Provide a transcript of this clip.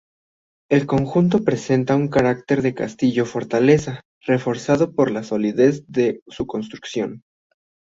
El conjunto presenta un carácter de castillo-fortaleza reforzado por la solidez de su construcción.